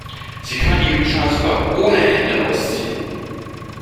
Sie kann ihren Schal sogar ohne Hände ausziehen.